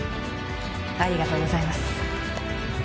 ありがとうございます。